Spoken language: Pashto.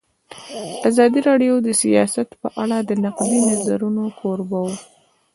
ازادي راډیو د سیاست په اړه د نقدي نظرونو کوربه وه.